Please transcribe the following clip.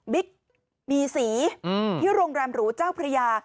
ิ๊กมีสีที่โรงแรมหรูเจ้าพระยา